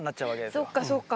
そっかそっか。